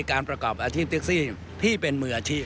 ประกอบอาชีพเท็กซี่ที่เป็นมืออาชีพ